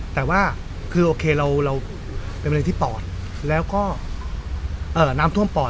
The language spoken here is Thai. แต่ว่าคือโอเคเราเป็นมะเร็งที่ปอดแล้วก็น้ำท่วมปอด